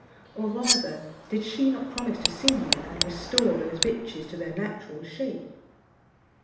Or rather, did she not promise to see you, and restore those bitches to their natural shape?"